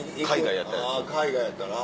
海外やったら。